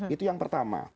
itu yang pertama